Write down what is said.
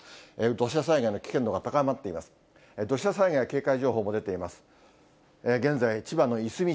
土砂災害の危険度が高まっています。